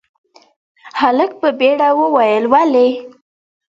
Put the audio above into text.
هلک په بيړه وويل، ولې؟